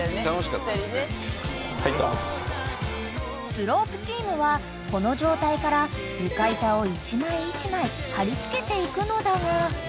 ［スロープチームはこの状態から床板を一枚一枚張り付けていくのだが］